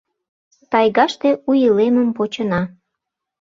Тайгаште у илемым почына.